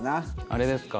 あれですか？